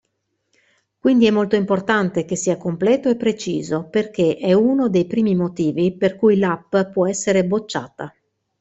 Quindi è molto importante che sia completo e preciso perché è uno dei primi motivi per cui l'app può essere bocciata.